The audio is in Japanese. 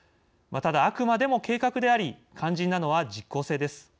ただあくまでも計画であり肝心なのは実行性です。